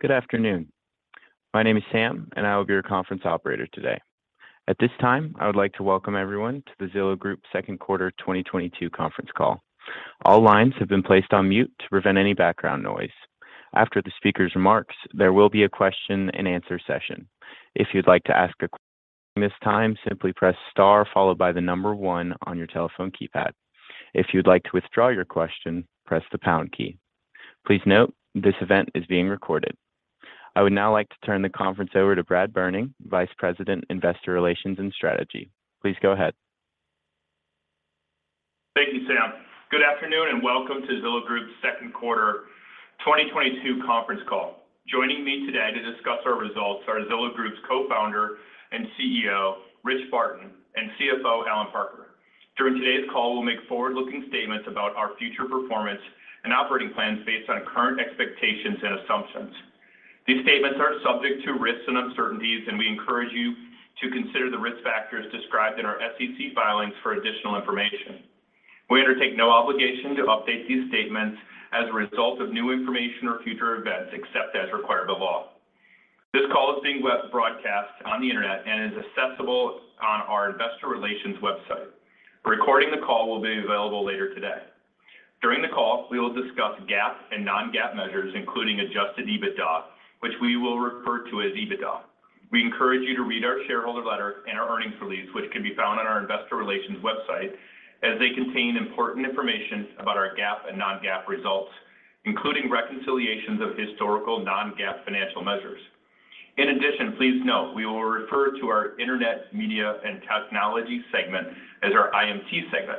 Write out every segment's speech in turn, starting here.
Good afternoon. My name is Sam, and I will be your conference operator today. At this time, I would like to welcome everyone to the Zillow Group Second Quarter 2022 Conference Call. All lines have been placed on mute to prevent any background noise. After the speaker's remarks, there will be a question-and-answer session. If you'd like to ask a question this time, simply press star followed by the number one on your telephone keypad. If you'd like to withdraw your question, press the pound key. Please note, this event is being recorded. I would now like to turn the conference over to Brad Berning, Vice President, Investor Relations and Strategy. Please go ahead. Thank you, Sam. Good afternoon, and welcome to Zillow Group's Second Quarter 2022 Conference Call. Joining me today to discuss our results are Zillow Group's Co-founder and CEO, Rich Barton, and CFO, Allen Parker. During today's call, we'll make forward-looking statements about our future performance and operating plans based on current expectations and assumptions. These statements are subject to risks and uncertainties, and we encourage you to consider the risk factors described in our SEC filings for additional information. We undertake no obligation to update these statements as a result of new information or future events except as required by law. This call is being web broadcast on the Internet and is accessible on our investor relations website. A recording of the call will be available later today. During the call, we will discuss GAAP and non-GAAP measures, including adjusted EBITDA, which we will refer to as EBITDA. We encourage you to read our shareholder letter and our earnings release, which can be found on our investor relations website, as they contain important information about our GAAP and non-GAAP results, including reconciliations of historical non-GAAP financial measures. In addition, please note, we will refer to our Internet, media, and technology segment as our IMT segment.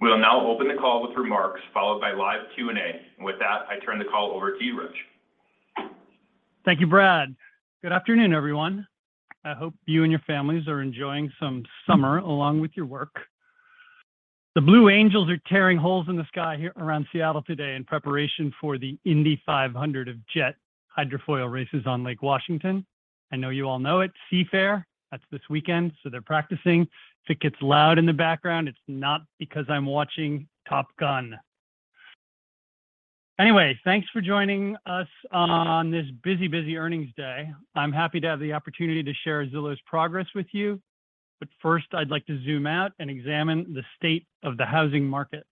We will now open the call with remarks followed by live Q&A. With that, I turn the call over to you, Rich. Thank you, Brad. Good afternoon, everyone. I hope you and your families are enjoying some summer along with your work. The Blue Angels are tearing holes in the sky here around Seattle today in preparation for the unlimited hydroplane races on Lake Washington. I know you all know it, Seafair, that's this weekend, so they're practicing. If it gets loud in the background, it's not because I'm watching Top Gun. Anyway, thanks for joining us on this busy earnings day. I'm happy to have the opportunity to share Zillow's progress with you. First, I'd like to zoom out and examine the state of the housing market.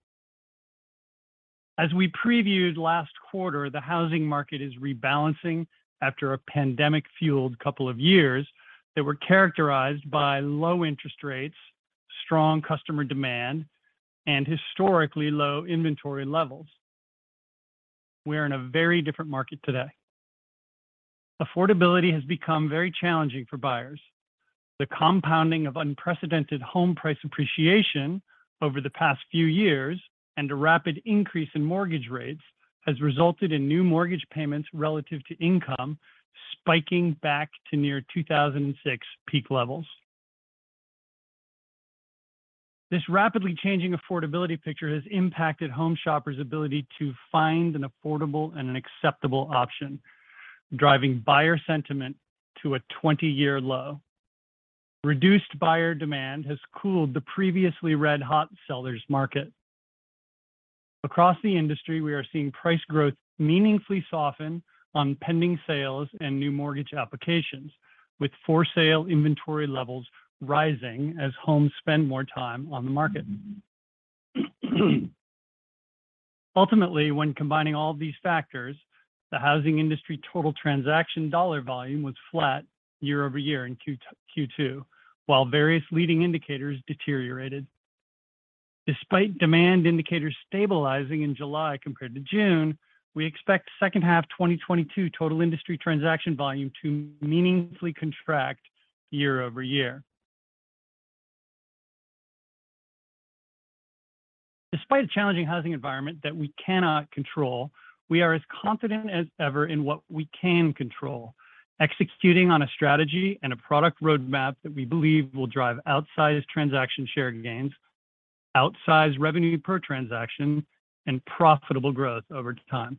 As we previewed last quarter, the housing market is rebalancing after a pandemic-fueled couple of years that were characterized by low interest rates, strong customer demand, and historically low inventory levels. We're in a very different market today. Affordability has become very challenging for buyers. The compounding of unprecedented home price appreciation over the past few years and a rapid increase in mortgage rates has resulted in new mortgage payments relative to income spiking back to near 2006 peak levels. This rapidly changing affordability picture has impacted home shoppers' ability to find an affordable and an acceptable option, driving buyer sentiment to a 20-year low. Reduced buyer demand has cooled the previously red-hot sellers market. Across the industry, we are seeing price growth meaningfully soften on pending sales and new mortgage applications, with for-sale inventory levels rising as homes spend more time on the market. Ultimately, when combining all of these factors, the housing industry total transaction dollar volume was flat year-over-year in Q2, while various leading indicators deteriorated. Despite demand indicators stabilizing in July compared to June, we expect second half 2022 total industry transaction volume to meaningfully contract year over year. Despite a challenging housing environment that we cannot control, we are as confident as ever in what we can control, executing on a strategy and a product roadmap that we believe will drive outsized transaction share gains, outsized revenue per transaction, and profitable growth over time.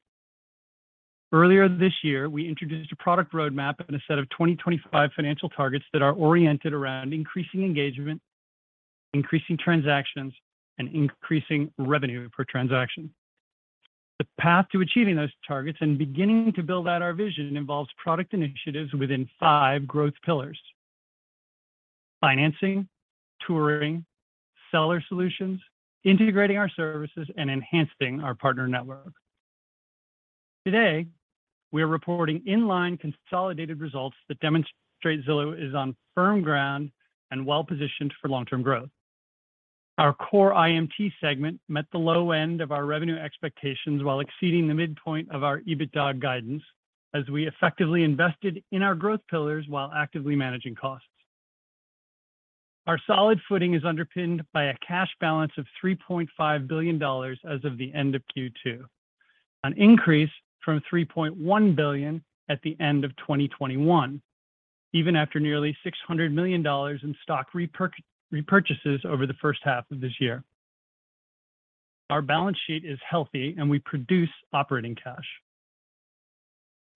Earlier this year, we introduced a product roadmap and a set of 2025 financial targets that are oriented around increasing engagement, increasing transactions, and increasing revenue per transaction. The path to achieving those targets and beginning to build out our vision involves product initiatives within five growth pillars, financing, touring, seller solutions, integrating our services, and enhancing our partner network. Today, we are reporting in-line consolidated results that demonstrate Zillow is on firm ground and well-positioned for long-term growth. Our core IMT segment met the low end of our revenue expectations while exceeding the midpoint of our EBITDA guidance as we effectively invested in our growth pillars while actively managing costs. Our solid footing is underpinned by a cash balance of $3.5 billion as of the end of Q2, an increase from $3.1 billion at the end of 2021, even after nearly $600 million in stock repurchases over the first half of this year. Our balance sheet is healthy, and we produce operating cash.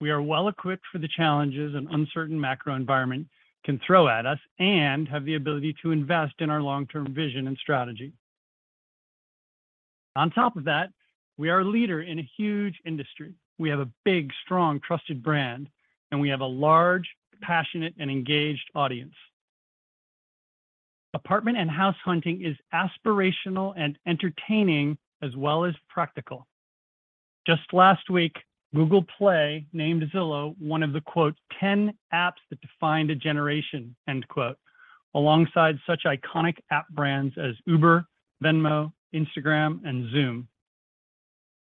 We are well-equipped for the challenges an uncertain macro environment can throw at us and have the ability to invest in our long-term vision and strategy. On top of that, we are a leader in a huge industry. We have a big, strong, trusted brand, and we have a large, passionate, and engaged audience. Apartment and house hunting is aspirational and entertaining as well as practical. Just last week, Google Play named Zillow one of the "10 apps that defined a generation," alongside such iconic app brands as Uber, Venmo, Instagram, and Zoom.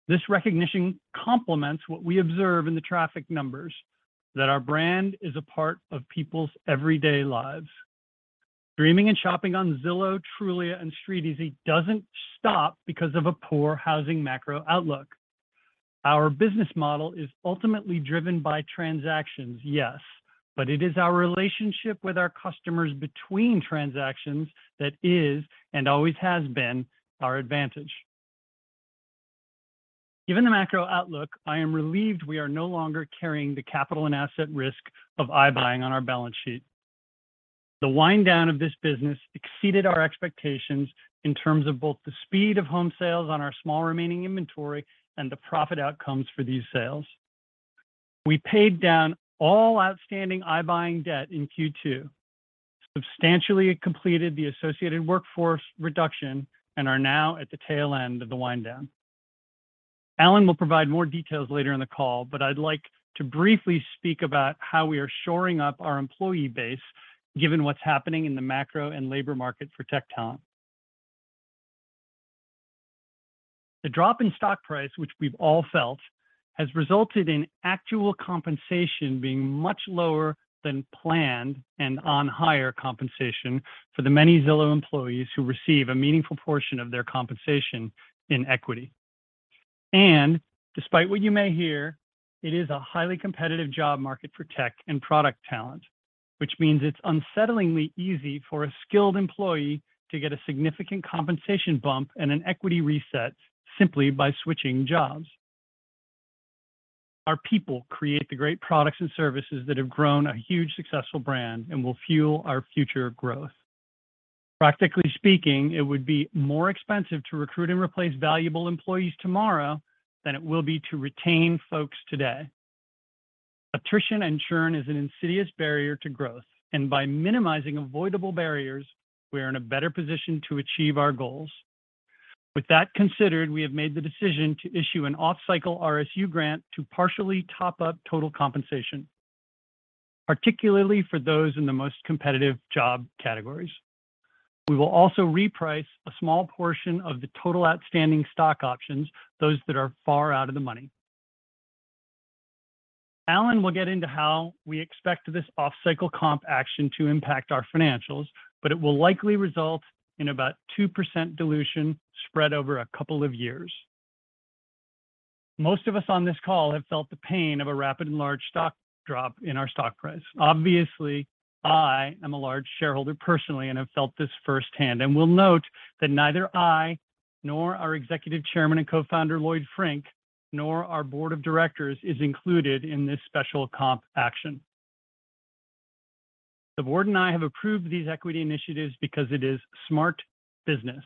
This recognition complements what we observe in the traffic numbers, that our brand is a part of people's everyday lives. Dreaming and shopping on Zillow, Trulia, and StreetEasy doesn't stop because of a poor housing macro outlook. Our business model is ultimately driven by transactions, yes, but it is our relationship with our customers between transactions that is, and always has been, our advantage. Given the macro outlook, I am relieved we are no longer carrying the capital and asset risk of iBuying on our balance sheet. The wind down of this business exceeded our expectations in terms of both the speed of home sales on our small remaining inventory and the profit outcomes for these sales. We paid down all outstanding iBuying debt in Q2, substantially completed the associated workforce reduction, and are now at the tail end of the wind down. Allen will provide more details later in the call, but I'd like to briefly speak about how we are shoring up our employee base given what's happening in the macro and labor market for tech talent. The drop in stock price, which we've all felt, has resulted in actual compensation being much lower than planned and on higher compensation for the many Zillow employees who receive a meaningful portion of their compensation in equity. Despite what you may hear, it is a highly competitive job market for tech and product talent, which means it's unsettlingly easy for a skilled employee to get a significant compensation bump and an equity reset simply by switching jobs. Our people create the great products and services that have grown a huge successful brand and will fuel our future growth. Practically speaking, it would be more expensive to recruit and replace valuable employees tomorrow than it will be to retain folks today. Attrition and churn is an insidious barrier to growth, and by minimizing avoidable barriers, we are in a better position to achieve our goals. With that considered, we have made the decision to issue an off-cycle RSU grant to partially top up total compensation, particularly for those in the most competitive job categories. We will also reprice a small portion of the total outstanding stock options, those that are far out of the money. Allen will get into how we expect this off-cycle comp action to impact our financials, but it will likely result in about 2% dilution spread over a couple of years. Most of us on this call have felt the pain of a rapid and large stock drop in our stock price. Obviously, I am a large shareholder personally and have felt this first hand, and will note that neither I nor our executive chairman and co-founder, Lloyd Frink, nor our board of directors, is included in this special comp action. The board and I have approved these equity initiatives because it is smart business,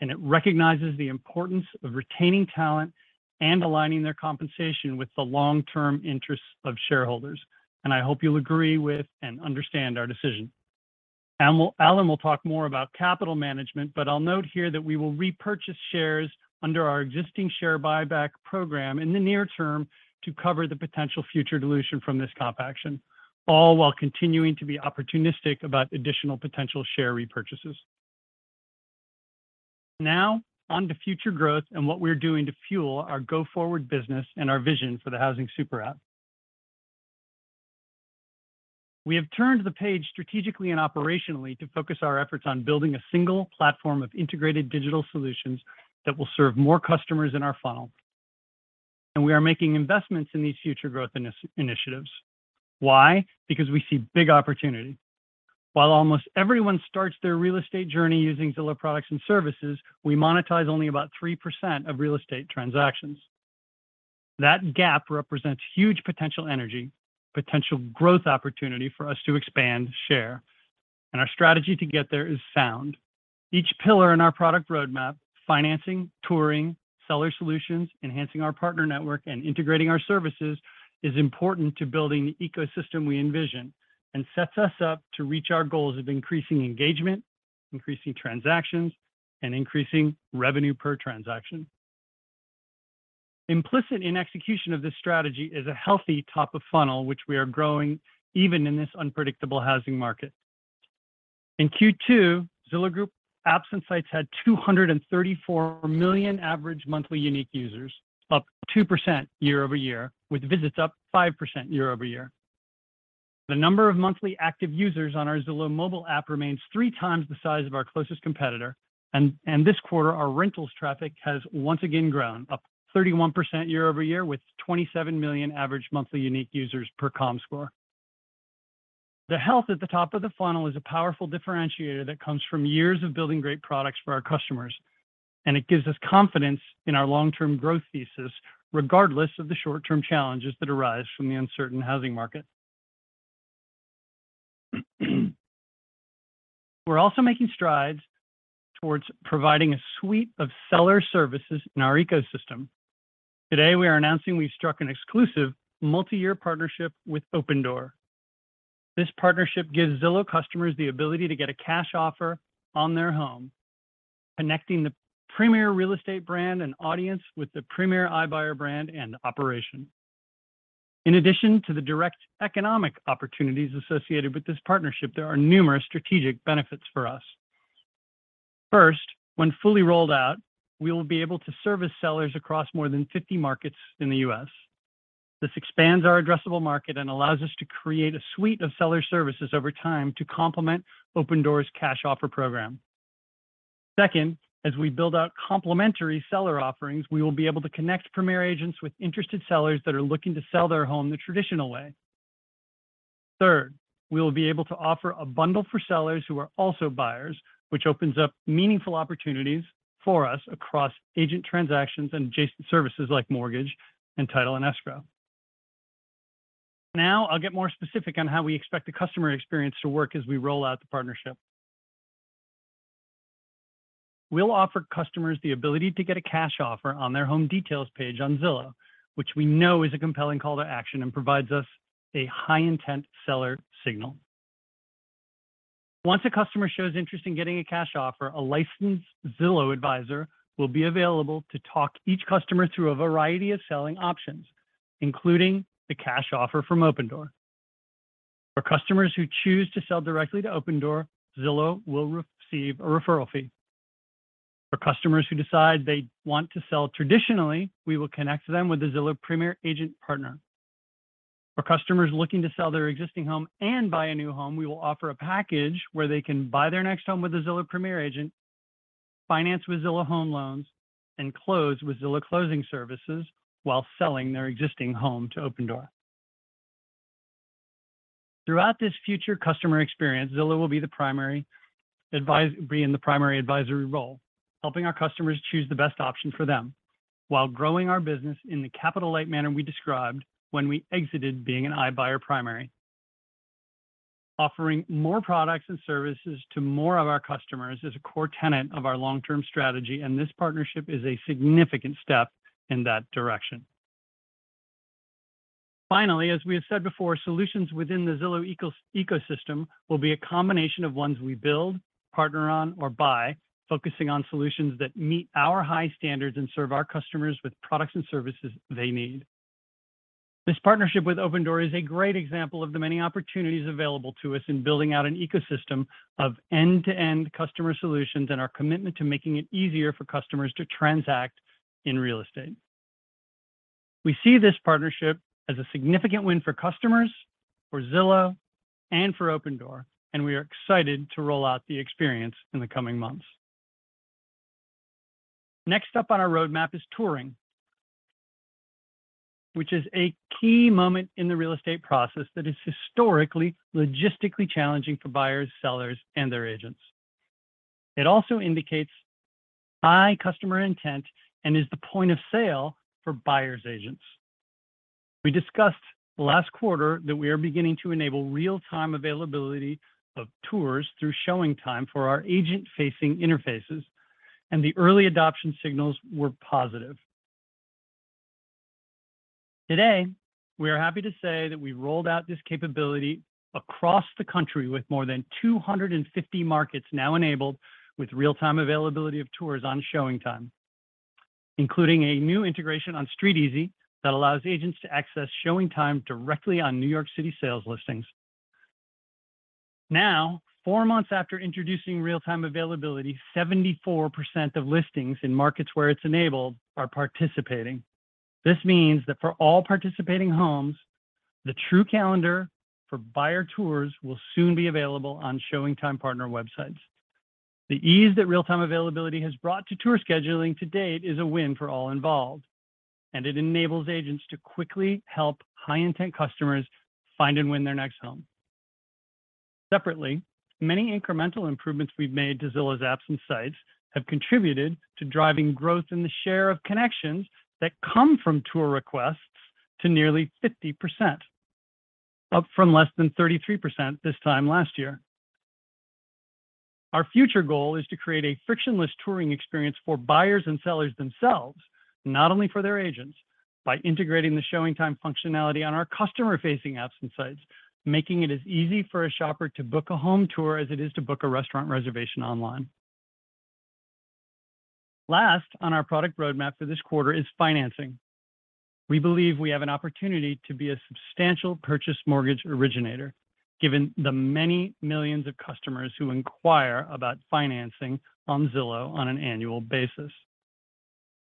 and it recognizes the importance of retaining talent and aligning their compensation with the long-term interests of shareholders. I hope you'll agree with and understand our decision. Allen will talk more about capital management, but I'll note here that we will repurchase shares under our existing share buyback program in the near term to cover the potential future dilution from this comp action, all while continuing to be opportunistic about additional potential share repurchases. Now on to future growth and what we're doing to fuel our go-forward business and our vision for the housing super app. We have turned the page strategically and operationally to focus our efforts on building a single platform of integrated digital solutions that will serve more customers in our funnel. We are making investments in these future growth initiatives. Why? Because we see big opportunity. While almost everyone starts their real estate journey using Zillow products and services, we monetize only about 3% of real estate transactions. That gap represents huge potential energy, potential growth opportunity for us to expand, share, and our strategy to get there is sound. Each pillar in our product roadmap, financing, touring, seller solutions, enhancing our partner network, and integrating our services, is important to building the ecosystem we envision and sets us up to reach our goals of increasing engagement, increasing transactions, and increasing revenue per transaction. Implicit in execution of this strategy is a healthy top of funnel which we are growing even in this unpredictable housing market. In Q2, Zillow Group apps and sites had 234 million average monthly unique users, up 2% year-over-year, with visits up 5% year-over-year. The number of monthly active users on our Zillow mobile app remains 3x the size of our closest competitor. This quarter, our rentals traffic has once again grown, up 31% year-over-year, with 27 million average monthly unique users per Comscore. The health at the top of the funnel is a powerful differentiator that comes from years of building great products for our customers, and it gives us confidence in our long-term growth thesis, regardless of the short-term challenges that arise from the uncertain housing market. We're also making strides towards providing a suite of seller services in our ecosystem. Today, we are announcing we've struck an exclusive multi-year partnership with Opendoor. This partnership gives Zillow customers the ability to get a cash offer on their home, connecting the premier real estate brand and audience with the premier iBuyer brand and operation. In addition to the direct economic opportunities associated with this partnership, there are numerous strategic benefits for us. First, when fully rolled out, we will be able to service sellers across more than 50 markets in the U.S. This expands our addressable market and allows us to create a suite of seller services over time to complement Opendoor's cash offer program. Second, as we build out complementary seller offerings, we will be able to connect Premier agents with interested sellers that are looking to sell their home the traditional way. Third, we will be able to offer a bundle for sellers who are also buyers, which opens up meaningful opportunities for us across agent transactions and adjacent services like mortgage and title and escrow. Now I'll get more specific on how we expect the customer experience to work as we roll out the partnership. We'll offer customers the ability to get a cash offer on their home details page on Zillow, which we know is a compelling call to action and provides us a high-intent seller signal. Once a customer shows interest in getting a cash offer, a licensed Zillow advisor will be available to talk each customer through a variety of selling options, including the cash offer from Opendoor. For customers who choose to sell directly to Opendoor, Zillow will receive a referral fee. For customers who decide they want to sell traditionally, we will connect them with a Zillow Premier Agent partner. For customers looking to sell their existing home and buy a new home, we will offer a package where they can buy their next home with a Zillow Premier Agent, finance with Zillow Home Loans, and close with Zillow Closing Services while selling their existing home to Opendoor. Throughout this future customer experience, Zillow will be in the primary advisory role, helping our customers choose the best option for them while growing our business in the capital-light manner we described when we exited being an iBuyer primarily. Offering more products and services to more of our customers is a core tenet of our long-term strategy, and this partnership is a significant step in that direction. Finally, as we have said before, solutions within the Zillow ecosystem will be a combination of ones we build, partner on, or buy, focusing on solutions that meet our high standards and serve our customers with products and services they need. This partnership with Opendoor is a great example of the many opportunities available to us in building out an ecosystem of end-to-end customer solutions and our commitment to making it easier for customers to transact in real estate. We see this partnership as a significant win for customers, for Zillow, and for Opendoor, and we are excited to roll out the experience in the coming months. Next up on our roadmap is touring, which is a key moment in the real estate process that is historically logistically challenging for buyers, sellers, and their agents. It also indicates high customer intent and is the point of sale for buyer's agents. We discussed last quarter that we are beginning to enable real-time availability of tours through ShowingTime for our agent-facing interfaces, and the early adoption signals were positive. Today, we are happy to say that we rolled out this capability across the country with more than 250 markets now enabled with real-time availability of tours on ShowingTime, including a new integration on StreetEasy that allows agents to access ShowingTime directly on New York City sales listings. Now, four months after introducing real-time availability, 74% of listings in markets where it's enabled are participating. This means that for all participating homes, the true calendar for buyer tours will soon be available on ShowingTime partner websites. The ease that real-time availability has brought to tour scheduling to date is a win for all involved, and it enables agents to quickly help high-intent customers find and win their next home. Separately, many incremental improvements we've made to Zillow's apps and sites have contributed to driving growth in the share of connections that come from tour requests to nearly 50%, up from less than 33% this time last year. Our future goal is to create a frictionless touring experience for buyers and sellers themselves, not only for their agents, by integrating the ShowingTime functionality on our customer-facing apps and sites, making it as easy for a shopper to book a home tour as it is to book a restaurant reservation online. Last on our product roadmap for this quarter is financing. We believe we have an opportunity to be a substantial purchase mortgage originator, given the many millions of customers who inquire about financing on Zillow on an annual basis.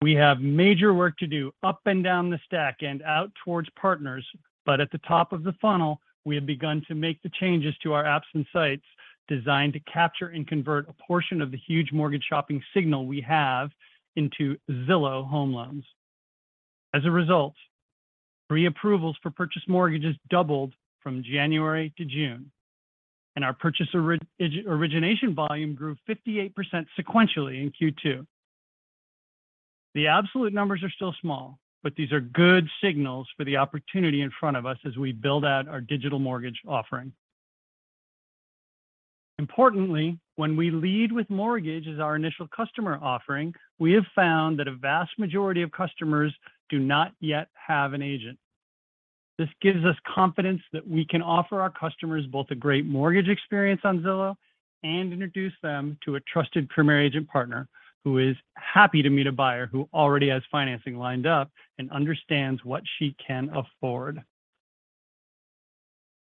We have major work to do up and down the stack and out towards partners, but at the top of the funnel, we have begun to make the changes to our apps and sites designed to capture and convert a portion of the huge mortgage shopping signal we have into Zillow Home Loans. As a result, pre-approvals for purchase mortgages doubled from January to June, and our purchase origination volume grew 58% sequentially in Q2. The absolute numbers are still small, but these are good signals for the opportunity in front of us as we build out our digital mortgage offering. Importantly, when we lead with mortgage as our initial customer offering, we have found that a vast majority of customers do not yet have an agent. This gives us confidence that we can offer our customers both a great mortgage experience on Zillow and introduce them to a trusted Premier Agent partner who is happy to meet a buyer who already has financing lined up and understands what she can afford.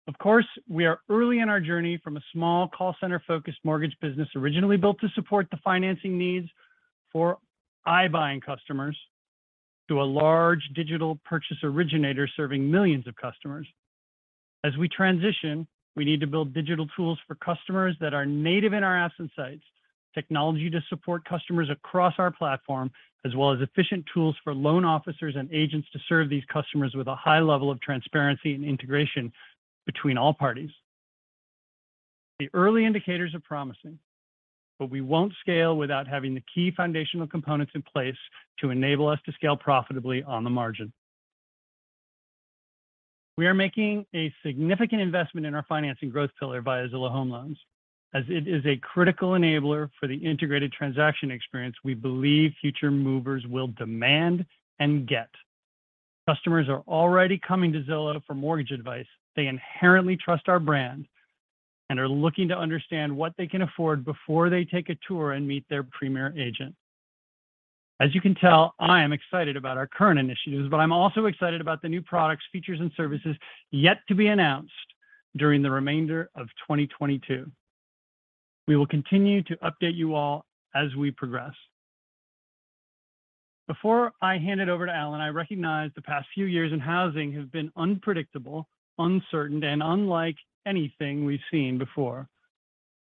Of course, we are early in our journey from a small call center-focused mortgage business originally built to support the financing needs for iBuying customers to a large digital purchase originator serving millions of customers. As we transition, we need to build digital tools for customers that are native in our apps and sites, technology to support customers across our platform, as well as efficient tools for loan officers and agents to serve these customers with a high level of transparency and integration between all parties. The early indicators are promising, but we won't scale without having the key foundational components in place to enable us to scale profitably on the margin. We are making a significant investment in our financing growth pillar via Zillow Home Loans, as it is a critical enabler for the integrated transaction experience we believe future movers will demand and get. Customers are already coming to Zillow for mortgage advice. They inherently trust our brand and are looking to understand what they can afford before they take a tour and meet their Premier Agent. As you can tell, I am excited about our current initiatives, but I'm also excited about the new products, features, and services yet to be announced during the remainder of 2022. We will continue to update you all as we progress. Before I hand it over to Allen, I recognize the past few years in housing have been unpredictable, uncertain, and unlike anything we've seen before.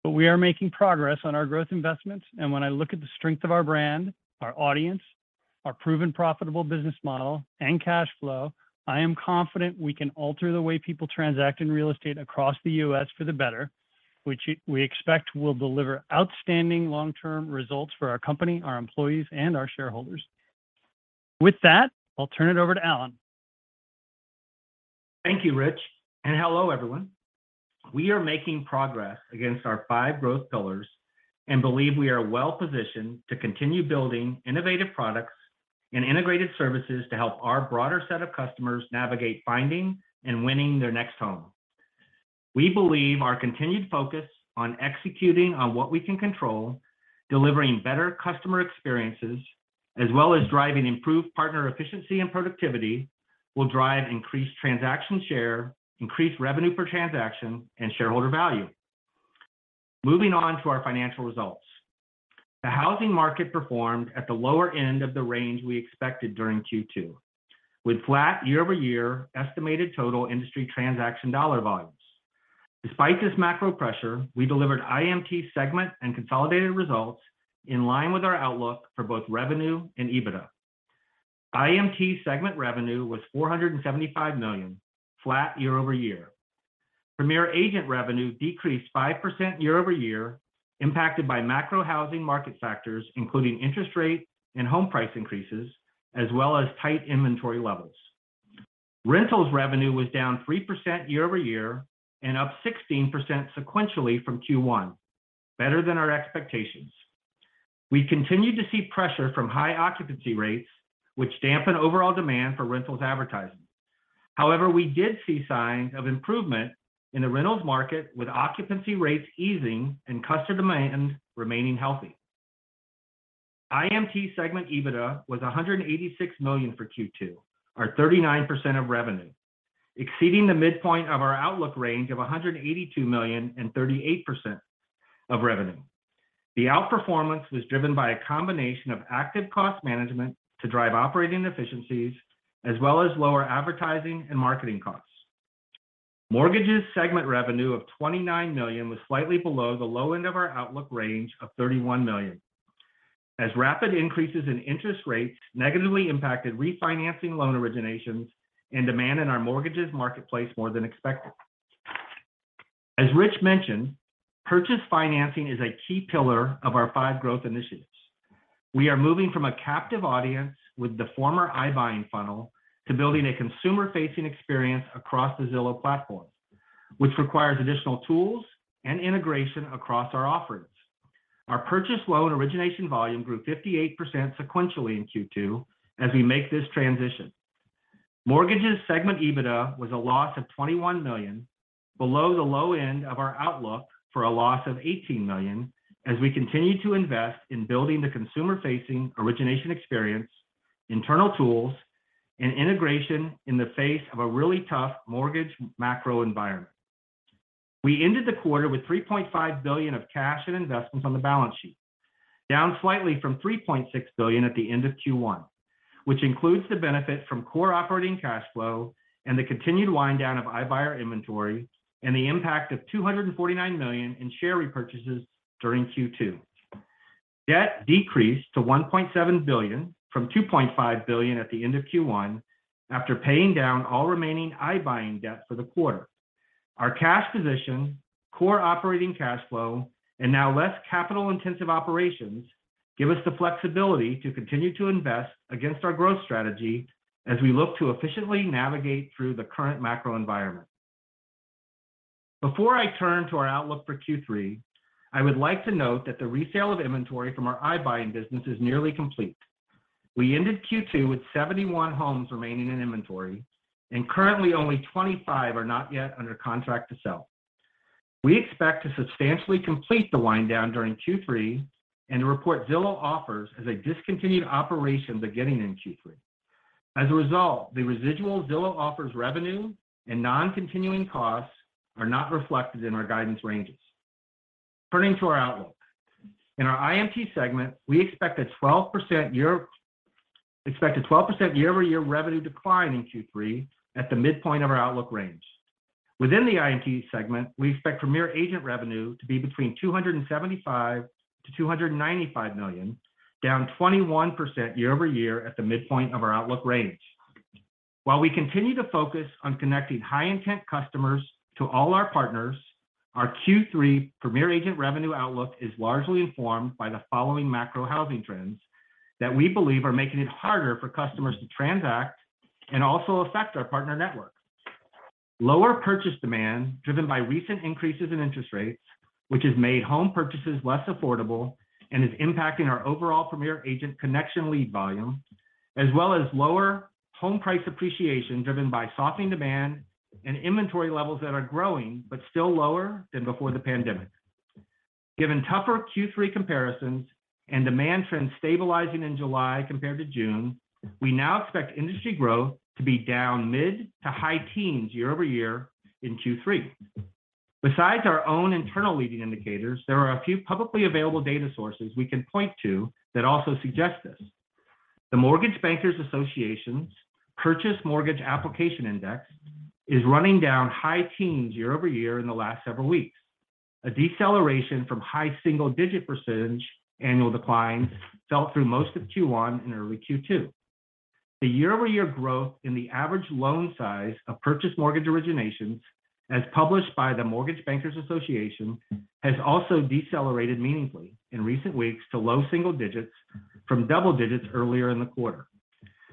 We are making progress on our growth investments, and when I look at the strength of our brand, our audience, our proven profitable business model, and cash flow, I am confident we can alter the way people transact in real estate across the U.S. for the better, which we expect will deliver outstanding long-term results for our company, our employees, and our shareholders. With that, I'll turn it over to Allen. Thank you, Rich, and hello, everyone. We are making progress against our five growth pillars and believe we are well-positioned to continue building innovative products and integrated services to help our broader set of customers navigate finding and winning their next home. We believe our continued focus on executing on what we can control, delivering better customer experiences, as well as driving improved partner efficiency and productivity will drive increased transaction share, increased revenue per transaction, and shareholder value. Moving on to our financial results. The housing market performed at the lower end of the range we expected during Q2, with flat year-over-year estimated total industry transaction dollar volumes. Despite this macro pressure, we delivered IMT segment and consolidated results in line with our outlook for both revenue and EBITDA. IMT segment revenue was $475 million, flat year-over-year. Premier Agent revenue decreased 5% year-over-year, impacted by macro housing market factors, including interest rate and home price increases, as well as tight inventory levels. Rentals revenue was down 3% year-over-year and up 16% sequentially from Q1, better than our expectations. We continued to see pressure from high occupancy rates, which dampened overall demand for rentals advertising. However, we did see signs of improvement in the rentals market with occupancy rates easing and customer demand remaining healthy. IMT segment EBITDA was $186 million for Q2, or 39% of revenue, exceeding the midpoint of our outlook range of $182 million and 38% of revenue. The outperformance was driven by a combination of active cost management to drive operating efficiencies as well as lower advertising and marketing costs. Mortgages segment revenue of $29 million was slightly below the low end of our outlook range of $31 million. As rapid increases in interest rates negatively impacted refinancing loan originations and demand in our mortgages marketplace more than expected. As Rich mentioned, purchase financing is a key pillar of our five growth initiatives. We are moving from a captive audience with the former iBuying funnel to building a consumer-facing experience across the Zillow platform, which requires additional tools and integration across our offerings. Our purchase loan origination volume grew 58% sequentially in Q2 as we make this transition. Mortgages segment EBITDA was a loss of $21 million, below the low end of our outlook for a loss of $18 million as we continue to invest in building the consumer-facing origination experience, internal tools, and integration in the face of a really tough mortgage macro environment. We ended the quarter with $3.5 billion of cash and investments on the balance sheet, down slightly from $3.6 billion at the end of Q1, which includes the benefit from core operating cash flow and the continued wind down of iBuyer inventory and the impact of $249 million in share repurchases during Q2. Debt decreased to $1.7 billion from $2.5 billion at the end of Q1 after paying down all remaining iBuying debt for the quarter. Our cash position, core operating cash flow, and now less capital-intensive operations give us the flexibility to continue to invest against our growth strategy as we look to efficiently navigate through the current macro environment. Before I turn to our outlook for Q3, I would like to note that the resale of inventory from our iBuying business is nearly complete. We ended Q2 with 71 homes remaining in inventory, and currently only 25 are not yet under contract to sell. We expect to substantially complete the wind down during Q3 and report Zillow Offers as a discontinued operation beginning in Q3. As a result, the residual Zillow Offers revenue and non-continuing costs are not reflected in our guidance ranges. Turning to our outlook. In our IMT segment, we expect a 12% year-over-year revenue decline in Q3 at the midpoint of our outlook range. Within the IMT segment, we expect Premier Agent revenue to be between $275 million and $295 million, down 21% year-over-year at the midpoint of our outlook range. While we continue to focus on connecting high intent customers to all our partners, our Q3 Premier Agent revenue outlook is largely informed by the following macro housing trends that we believe are making it harder for customers to transact and also affect our partner network. Lower purchase demand driven by recent increases in interest rates, which has made home purchases less affordable and is impacting our overall Premier Agent connection lead volume, as well as lower home price appreciation driven by softening demand and inventory levels that are growing but still lower than before the pandemic. Given tougher Q3 comparisons and demand trends stabilizing in July compared to June, we now expect industry growth to be down mid- to high-teens year-over-year in Q3. Besides our own internal leading indicators, there are a few publicly available data sources we can point to that also suggest this. The Mortgage Bankers Association's Purchase Mortgage Application Index is running down high teens year-over-year in the last several weeks. A deceleration from high single-digit percentage annual declines fell through most of Q1 and early Q2. The year-over-year growth in the average loan size of purchase mortgage originations, as published by the Mortgage Bankers Association, has also decelerated meaningfully in recent weeks to low single digits from double digits earlier in the quarter.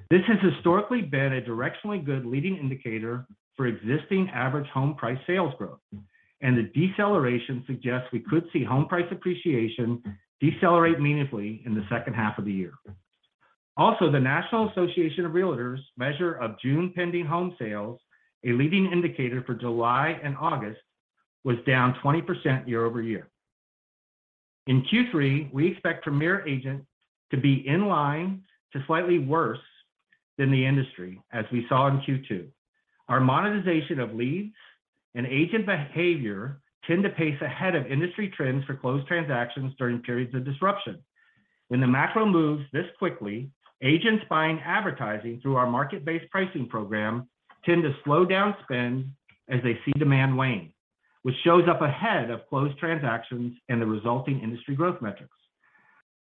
This has historically been a directionally good leading indicator for existing average home price sales growth, and the deceleration suggests we could see home price appreciation decelerate meaningfully in the second half of the year. Also, the National Association of Realtors measure of June pending home sales, a leading indicator for July and August, was down 20% year-over-year. In Q3, we expect Premier Agent to be in line to slightly worse than the industry, as we saw in Q2. Our monetization of leads and agent behavior tend to pace ahead of industry trends for closed transactions during periods of disruption. When the macro moves this quickly, agents buying advertising through our market-based pricing program tend to slow down spend as they see demand wane, which shows up ahead of closed transactions and the resulting industry growth metrics.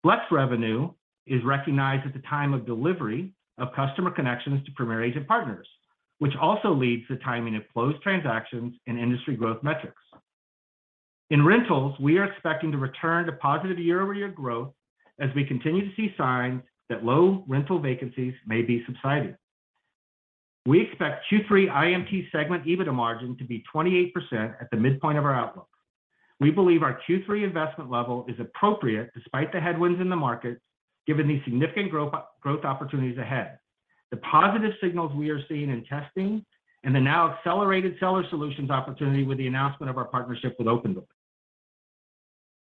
Flex revenue is recognized at the time of delivery of customer connections to Premier Agent partners, which also leads the timing of closed transactions and industry growth metrics. In rentals, we are expecting to return to positive year-over-year growth as we continue to see signs that low rental vacancies may be subsiding. We expect Q3 IMT segment EBITDA margin to be 28% at the midpoint of our outlook. We believe our Q3 investment level is appropriate despite the headwinds in the market, given these significant growth opportunities ahead. The positive signals we are seeing in testing and the now accelerated seller solutions opportunity with the announcement of our partnership with Opendoor.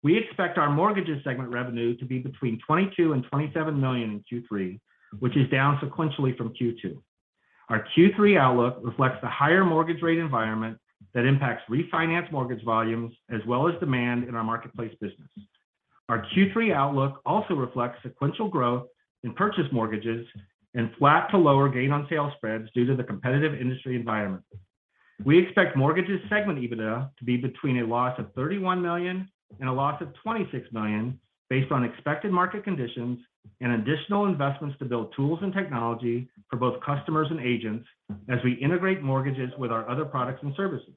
We expect our mortgages segment revenue to be between $22 million and $27 million in Q3, which is down sequentially from Q2. Our Q3 outlook reflects the higher mortgage rate environment that impacts refinance mortgage volumes, as well as demand in our marketplace business. Our Q3 outlook also reflects sequential growth in purchase mortgages and flat to lower gain on sale spreads due to the competitive industry environment. We expect mortgages segment EBITDA to be between a loss of $31 million and a loss of $26 million based on expected market conditions and additional investments to build tools and technology for both customers and agents as we integrate mortgages with our other products and services.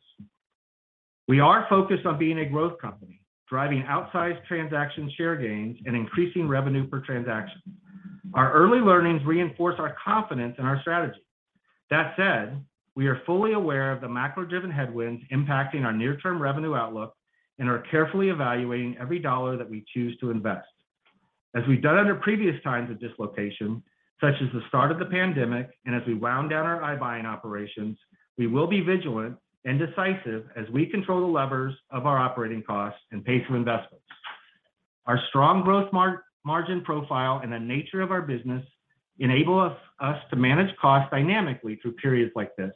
We are focused on being a growth company, driving outsized transaction share gains, and increasing revenue per transaction. Our early learnings reinforce our confidence in our strategy. That said, we are fully aware of the macro-driven headwinds impacting our near term revenue outlook and are carefully evaluating every dollar that we choose to invest. As we've done under previous times of dislocation, such as the start of the pandemic and as we wound down our iBuying operations, we will be vigilant and decisive as we control the levers of our operating costs and pace of investments. Our strong growth margin profile and the nature of our business enable us to manage costs dynamically through periods like this,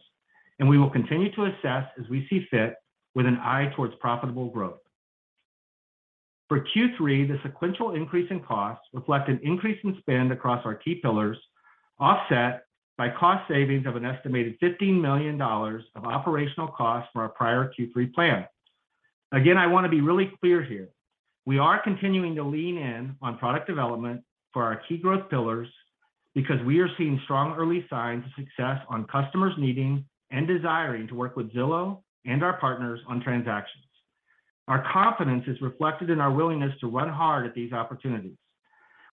and we will continue to assess as we see fit with an eye towards profitable growth. For Q3, the sequential increase in costs reflect an increase in spend across our key pillars, offset by cost savings of an estimated $15 million of operational costs from our prior Q3 plan. Again, I wanna be really clear here. We are continuing to lean in on product development for our key growth pillars because we are seeing strong early signs of success on customers needing and desiring to work with Zillow and our partners on transactions. Our confidence is reflected in our willingness to run hard at these opportunities.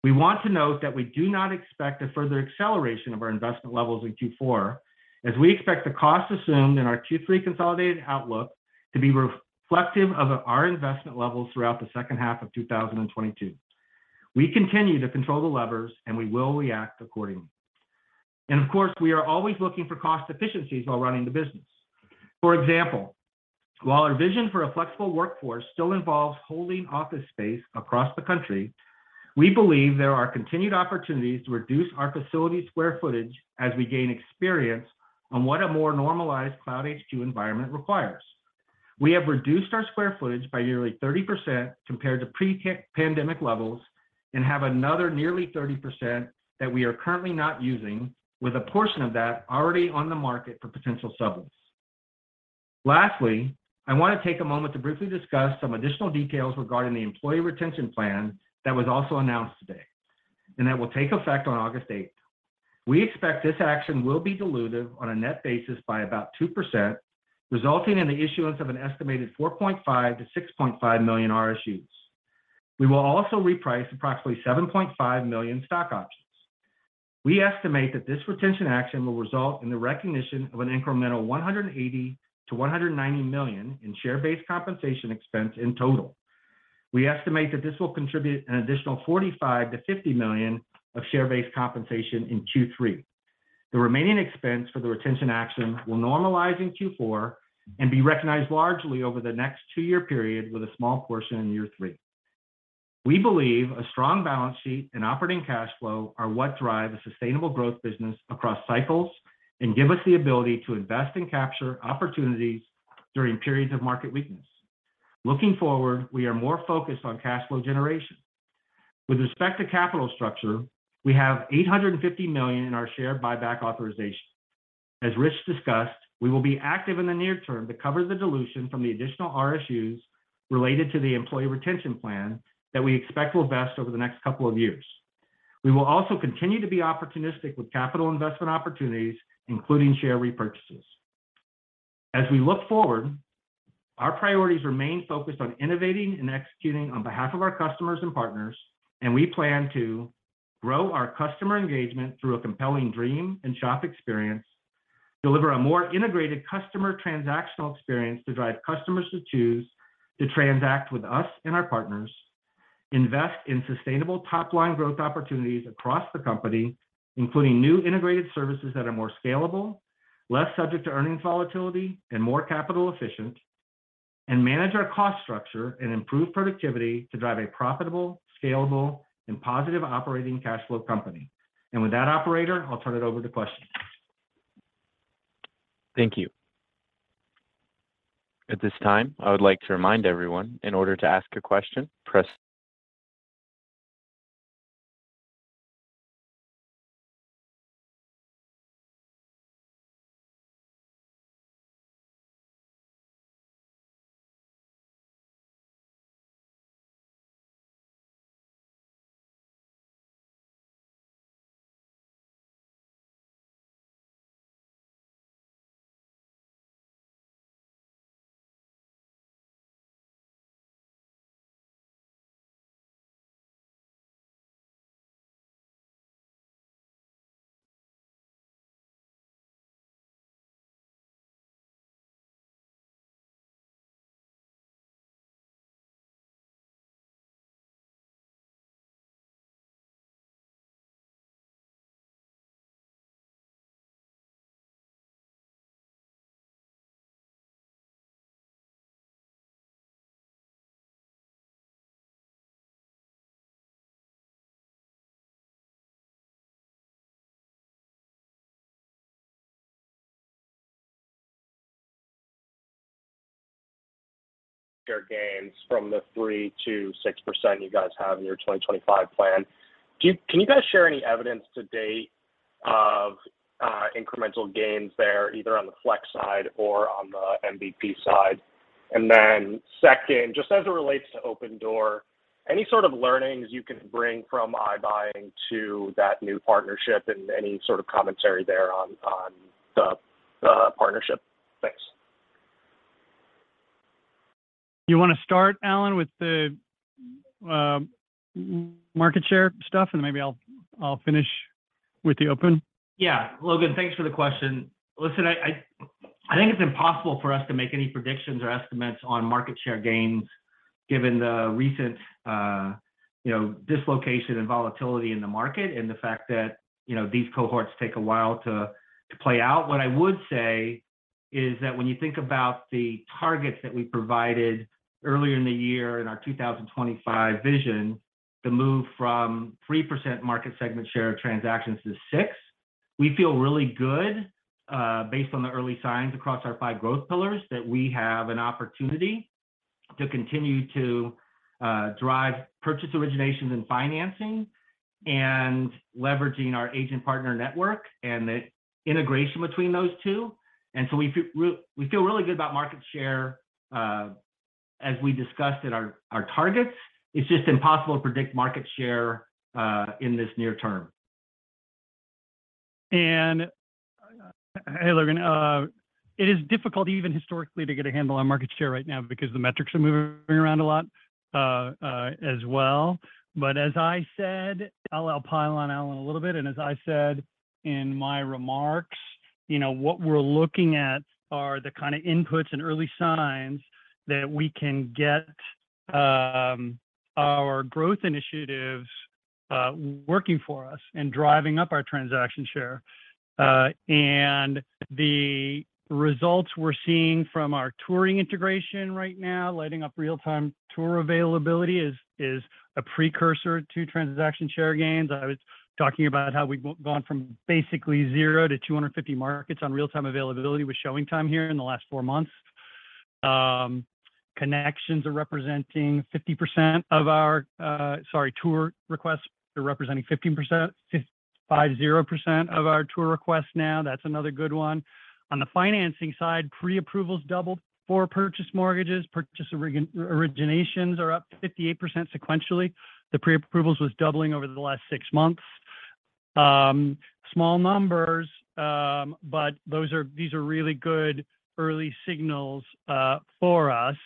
We want to note that we do not expect a further acceleration of our investment levels in Q4 as we expect the cost assumed in our Q3 consolidated outlook to be reflective of our investment levels throughout the second half of 2022. We continue to control the levers, and we will react accordingly. Of course, we are always looking for cost efficiencies while running the business. For example, while our vision for a flexible workforce still involves holding office space across the country, we believe there are continued opportunities to reduce our facility square footage as we gain experience on what a more normalized Cloud HQ environment requires. We have reduced our square footage by nearly 30% compared to pre-pandemic levels and have another nearly 30% that we are currently not using, with a portion of that already on the market for potential sublease. Lastly, I wanna take a moment to briefly discuss some additional details regarding the employee retention plan that was also announced today and that will take effect on August 8th. We expect this action will be dilutive on a net basis by about 2%, resulting in the issuance of an estimated 4.5 million-6.5 million RSUs. We will also reprice approximately 7.5 million stock options. We estimate that this retention action will result in the recognition of an incremental $180 million-$190 million in share-based compensation expense in total. We estimate that this will contribute an additional $45 million-$50 million of share-based compensation in Q3. The remaining expense for the retention action will normalize in Q4 and be recognized largely over the next two-year period with a small portion in year three. We believe a strong balance sheet and operating cash flow are what drive a sustainable growth business across cycles and give us the ability to invest and capture opportunities during periods of market weakness. Looking forward, we are more focused on cash flow generation. With respect to capital structure, we have $850 million in our share buyback authorization. As Rich discussed, we will be active in the near term to cover the dilution from the additional RSUs related to the employee retention plan that we expect will vest over the next couple of years. We will also continue to be opportunistic with capital investment opportunities, including share repurchases. As we look forward, our priorities remain focused on innovating and executing on behalf of our customers and partners, and we plan to grow our customer engagement through a compelling dream and shop experience, deliver a more integrated customer transactional experience to drive customers to choose to transact with us and our partners, invest in sustainable top-line growth opportunities across the company, including new integrated services that are more scalable, less subject to earnings volatility, and more capital efficient, and manage our cost structure and improve productivity to drive a profitable, scalable and positive operating cash flow company. With that, operator, I'll turn it over to questions. Thank you. At this time, I would like to remind everyone in order to ask a question, press. Your gains from the 3%-6% you guys have in your 2025 plan. Can you guys share any evidence to date of incremental gains there, either on the flex side or on the MVP side? Then second, just as it relates to Opendoor, any sort of learnings you can bring from iBuying to that new partnership and any sort of commentary there on the partnership? Thanks. You wanna start, Allen, with the market share stuff, and maybe I'll finish with the open? Yeah. Logan, thanks for the question. Listen, I think it's impossible for us to make any predictions or estimates on market share gains given the recent, you know, dislocation and volatility in the market and the fact that, you know, these cohorts take a while to play out. What I would say is that when you think about the targets that we provided earlier in the year in our 2025 vision, the move from 3% market segment share of transactions to 6%, we feel really good based on the early signs across our five growth pillars, that we have an opportunity to continue to drive purchase originations and financing and leveraging our agent partner network and the integration between those two. We feel really good about market share as we discussed at our targets. It's just impossible to predict market share in this near term. Hey, Logan. It is difficult even historically to get a handle on market share right now because the metrics are moving around a lot, as well. As I said, I'll pile on Allen a little bit, and as I said in my remarks, you know, what we're looking at are the kinda inputs and early signs that we can get our growth initiatives working for us and driving up our transaction share. The results we're seeing from our touring integration right now, lighting up real-time tour availability, is a precursor to transaction share gains. I was talking about how we've gone from basically zero to 250 markets on real-time availability with ShowingTime here in the last four months. Connections are representing 50% of our tour requests are representing 15%, 50% of our tour requests now. That's another good one. On the financing side, pre-approvals doubled for purchase mortgages. Purchase originations are up 58% sequentially. The pre-approvals was doubling over the last six months. Small numbers, but these are really good early signals for us,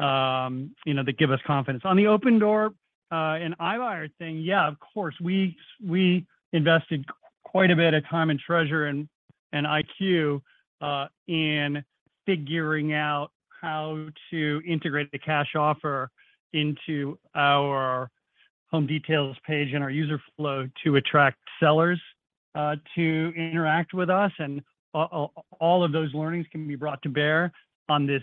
you know, that give us confidence. On the Opendoor and iBuyer thing, yeah, of course, we invested quite a bit of time and treasure and IQ in figuring out how to integrate the cash offer into our home details page and our user flow to attract sellers to interact with us. All of those learnings can be brought to bear on this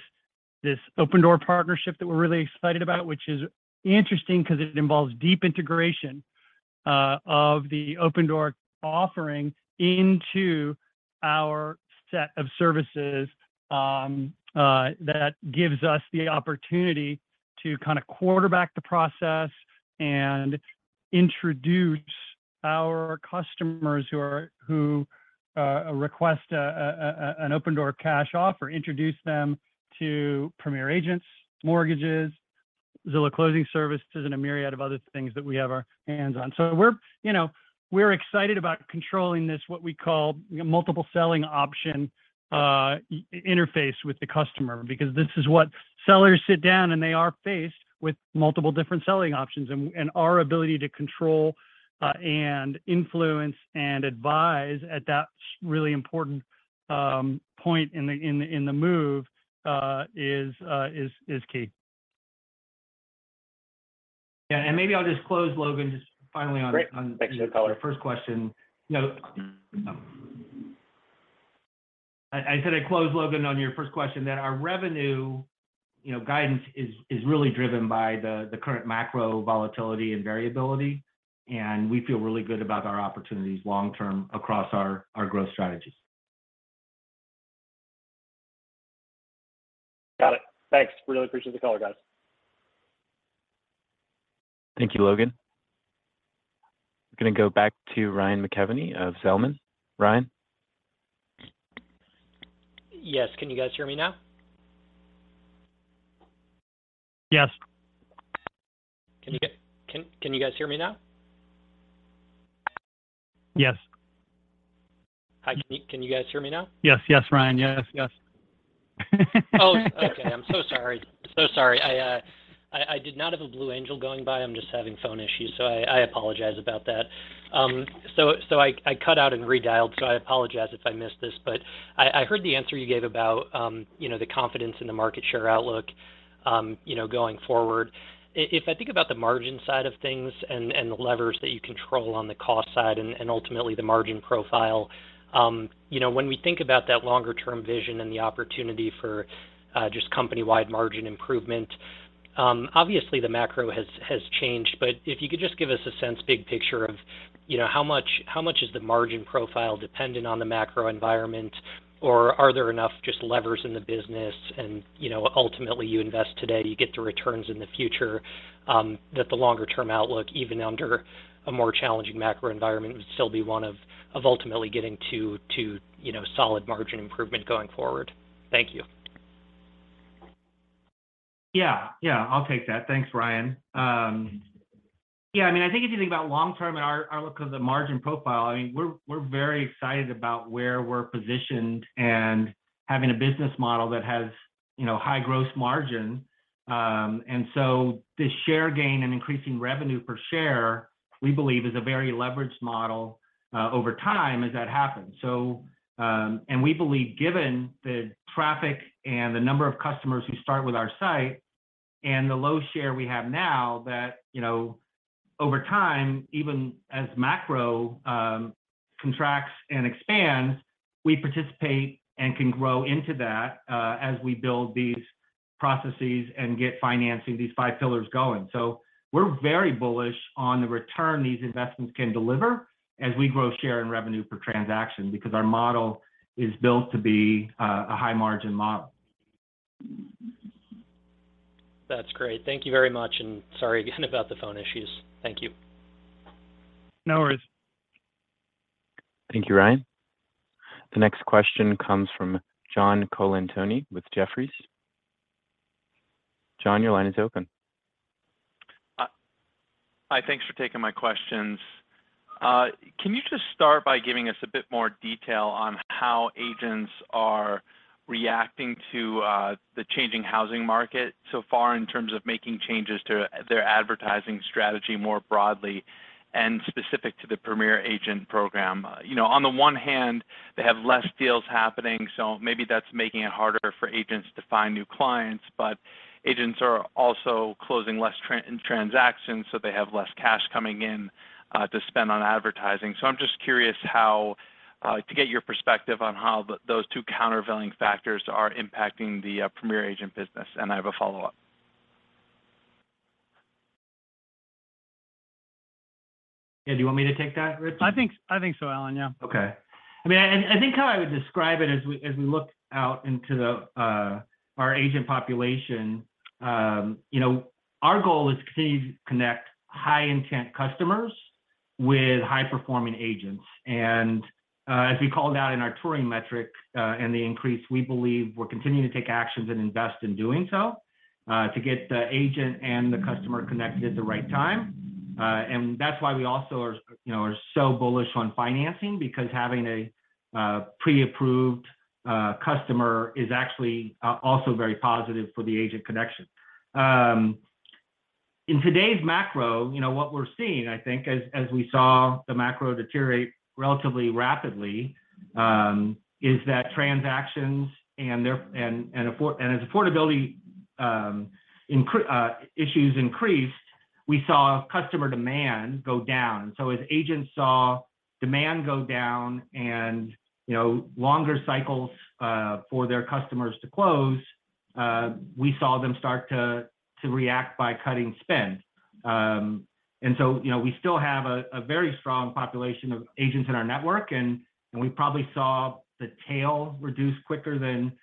Opendoor partnership that we're really excited about, which is interesting because it involves deep integration of the Opendoor offering into our set of services. That gives us the opportunity to kind of quarterback the process and introduce our customers who are requesting an Opendoor cash offer, introduce them to Zillow Premier Agent, mortgages, Zillow Closing Services, and a myriad of other things that we have our hands on. We're, you know, excited about controlling this, what we call multiple selling option interface with the customer, because this is what sellers sit down and they are faced with multiple different selling options. Our ability to control and influence and advise at that really important point in the move is key. Yeah. Maybe I'll just close, Logan, just finally on. Great. Thanks for the color. On the first question. You know, I said I'd close, Logan, on your first question, that our revenue, you know, guidance is really driven by the current macro volatility and variability, and we feel really good about our opportunities long term across our growth strategies. Got it. Thanks. Really appreciate the color, guys. Thank you, Logan. We're gonna go back to Ryan McKeveny of Zelman. Ryan? Yes. Can you guys hear me now? Yes. Can you guys hear me now? Yes. Hi, can you guys hear me now? Yes, yes, Ryan. Yes, yes. Oh, okay. I'm so sorry. I did not have a Blue Angel going by. I'm just having phone issues. I apologize about that. I cut out and redialed. I apologize if I missed this. I heard the answer you gave about, you know, the confidence in the market share outlook, you know, going forward. If I think about the margin side of things and the levers that you control on the cost side and ultimately the margin profile, you know, when we think about that longer term vision and the opportunity for just company-wide margin improvement, obviously the macro has changed. If you could just give us a sense, big picture of, you know, how much is the margin profile dependent on the macro environment? Or are there enough just levers in the business and, you know, ultimately you invest today, you get the returns in the future, that the longer term outlook, even under a more challenging macro environment, would still be one of ultimately getting to, you know, solid margin improvement going forward? Thank you. Yeah. Yeah, I'll take that. Thanks, Ryan. Yeah, I mean, I think if you think about long term and our look of the margin profile, I mean, we're very excited about where we're positioned and having a business model that has, you know, high gross margin. And so the share gain and increasing revenue per share, we believe is a very leveraged model, over time as that happens. So, and we believe given the traffic and the number of customers who start with our site and the low share we have now, that, you know, over time, even as macro contracts and expands, we participate and can grow into that, as we build these processes and get financing these five pillars going. We're very bullish on the return these investments can deliver as we grow share and revenue per transaction, because our model is built to be a high margin model. That's great. Thank you very much, and sorry again about the phone issues. Thank you. No worries. Thank you, Ryan. The next question comes from John Colantuoni with Jefferies. John, your line is open. Hi. Thanks for taking my questions. Can you just start by giving us a bit more detail on how agents are reacting to the changing housing market so far in terms of making changes to their advertising strategy more broadly and specific to the Premier Agent program? You know, on the one hand, they have less deals happening, so maybe that's making it harder for agents to find new clients. Agents are also closing less transactions, so they have less cash coming in to spend on advertising. I'm just curious how to get your perspective on how those two countervailing factors are impacting the Premier Agent business, and I have a follow-up. Yeah, do you want me to take that, Rich? I think so, Allen. Yeah. Okay. I mean, I think how I would describe it as we look out into our agent population, you know, our goal is to connect high-intent customers with high-performing agents. As we called out in our touring metric and the increase, we believe we're continuing to take actions and invest in doing so to get the agent and the customer connected at the right time. That's why we also are, you know, so bullish on financing because having a pre-approved customer is actually also very positive for the agent connection. In today's macro, you know, what we're seeing, I think, as we saw the macro deteriorate relatively rapidly, is that transactions and affordability issues increased, we saw customer demand go down. As agents saw demand go down and, you know, longer cycles for their customers to close, we saw them start to react by cutting spend. You know, we still have a very strong population of agents in our network and we probably saw the tail reduce quicker than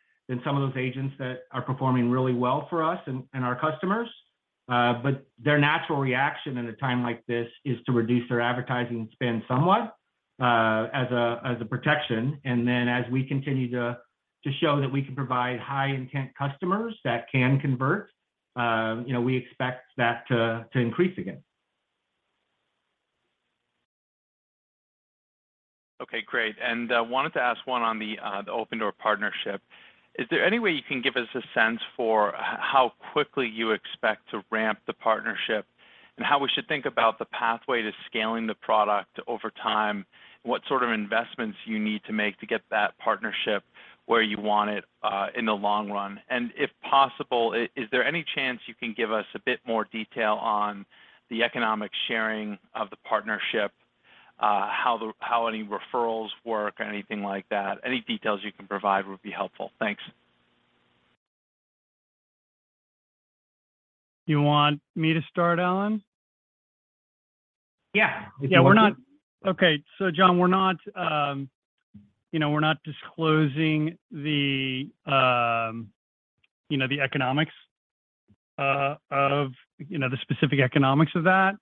some of those agents that are performing really well for us and our customers. Their natural reaction in a time like this is to reduce their advertising spend somewhat as a protection. Then as we continue to show that we can provide high-intent customers that can convert, you know, we expect that to increase again. Okay, great. Wanted to ask one on the Opendoor partnership. Is there any way you can give us a sense for how quickly you expect to ramp the partnership and how we should think about the pathway to scaling the product over time? What sort of investments you need to make to get that partnership where you want it in the long run? If possible, is there any chance you can give us a bit more detail on the economic sharing of the partnership, how any referrals work or anything like that? Any details you can provide would be helpful. Thanks. You want me to start, Allen? Yeah. If you want to. John, we're not, you know, disclosing the economics of the specific economics of that.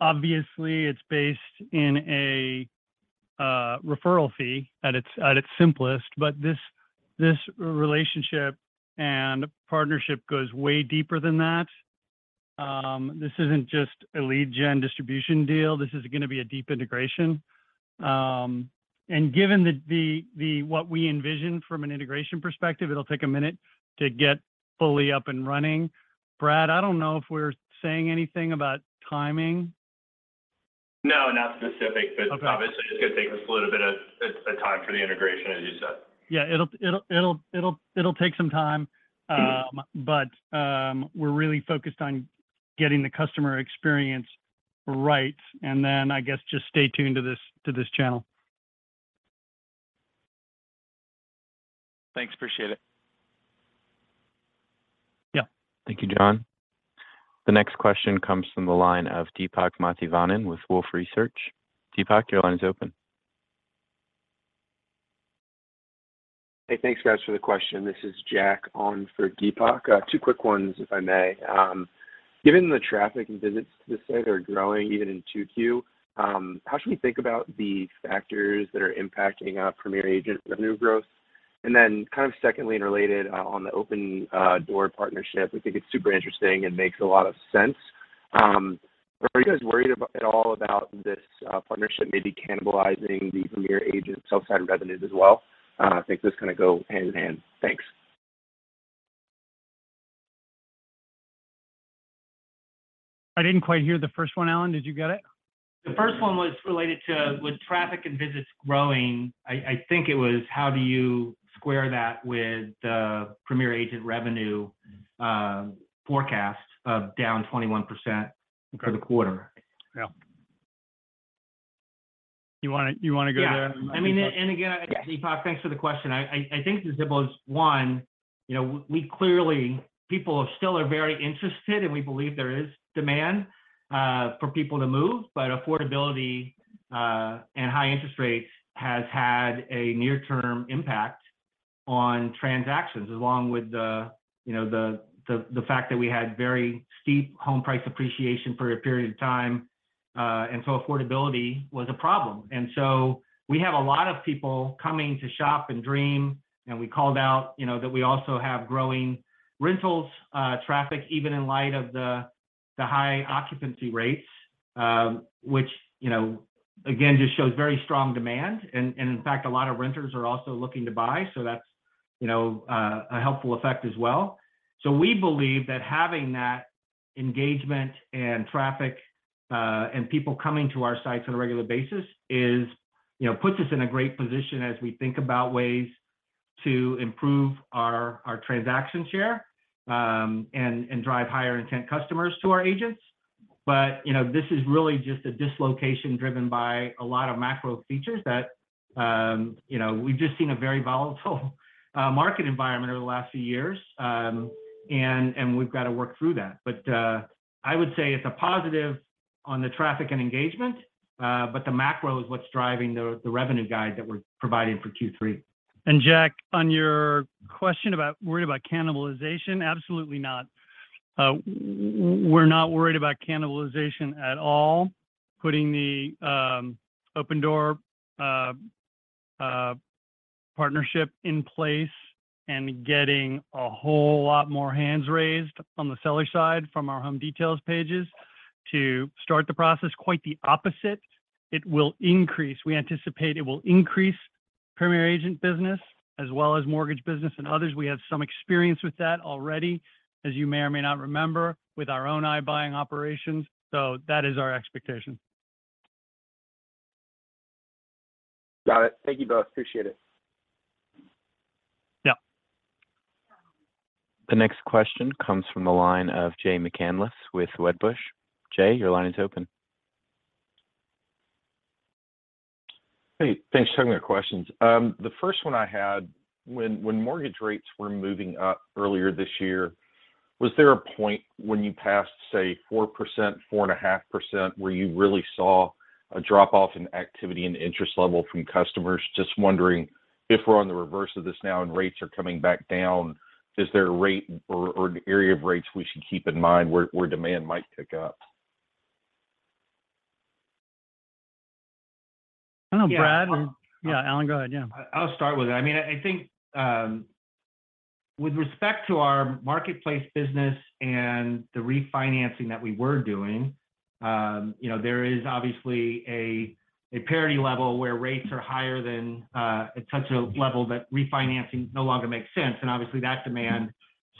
Obviously it's based on a referral fee at its simplest, but this relationship and partnership goes way deeper than that. This isn't just a lead gen distribution deal. This is gonna be a deep integration. Given what we envision from an integration perspective, it'll take a minute to get fully up and running. Brad, I don't know if we're saying anything about timing. No, not specific. Okay. Obviously it's gonna take us a little bit of time for the integration, as you said. Yeah. It'll take some time. But we're really focused on getting the customer experience right. Then I guess just stay tuned to this channel. Thanks. Appreciate it. Yeah. Thank you, John. The next question comes from the line of Deepak Mathivanan with Wolfe Research. Deepak, your line is open. Hey, thanks guys for the question. This is Jack on for Deepak. Two quick ones, if I may. Given the traffic and visits to the site are growing even in 2Q, how should we think about the factors that are impacting Premier Agent revenue growth? And then kind of secondly and related, on the Opendoor partnership, we think it's super interesting and makes a lot of sense. Are you guys worried about at all about this partnership maybe cannibalizing the Premier Agent's outside revenues as well? I think those kinda go hand in hand. Thanks. I didn't quite hear the first one. Allen, did you get it? The first one was related to, with traffic and visits growing, I think it was how do you square that with the Premier Agent revenue forecast of down 21% for the quarter? Yeah. You wanna go there? Yeah. I mean, and again, Deepak, thanks for the question. I think the dip was one. You know, we clearly, people still are very interested, and we believe there is demand for people to move, but affordability and high interest rates has had a near-term impact on transactions, along with, you know, the fact that we had very steep home price appreciation for a period of time, and so affordability was a problem. We have a lot of people coming to shop and dream, and we called out, you know, that we also have growing rentals traffic, even in light of the high occupancy rates, which, you know, again, just shows very strong demand. In fact, a lot of renters are also looking to buy, so that's, you know, a helpful effect as well. We believe that having that engagement and traffic, and people coming to our sites on a regular basis is, you know, puts us in a great position as we think about ways to improve our transaction share, and drive higher intent customers to our agents. This is really just a dislocation driven by a lot of macro factors that, you know, we've just seen a very volatile market environment over the last few years. We've got to work through that. I would say it's a positive on the traffic and engagement, but the macro is what's driving the revenue guide that we're providing for Q3. Jack, on your question about worried about cannibalization, absolutely not. We're not worried about cannibalization at all. Putting the Opendoor partnership in place and getting a whole lot more hands raised on the seller side from our home details pages to start the process, quite the opposite. It will increase. We anticipate it will increase Premier Agent business as well as mortgage business and others. We have some experience with that already, as you may or may not remember, with our own iBuying operations. That is our expectation. Got it. Thank you both. Appreciate it. Yeah. The next question comes from the line of Jay McCanless with Wedbush. Jay, your line is open. Hey, thanks for taking my questions. The first one I had, when mortgage rates were moving up earlier this year, was there a point when you passed, say, 4%, 4.5%, where you really saw a drop-off in activity and interest level from customers? Just wondering if we're on the reverse of this now and rates are coming back down, is there a rate or an area of rates we should keep in mind where demand might pick up? I don't know, Brad. Yeah. Yeah, Allen, go ahead. Yeah. I'll start with it. I mean, I think with respect to our marketplace business and the refinancing that we were doing, you know, there is obviously a parity level where rates are higher than it's such a level that refinancing no longer makes sense. Obviously, that demand